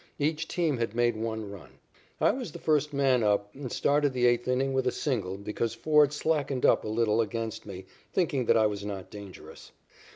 Each team had made one run. I was the first man up and started the eighth inning with a single because Ford slackened up a little against me, thinking that I was not dangerous.